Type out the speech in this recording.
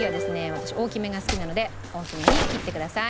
私大きめが好きなので大きめに切ってください。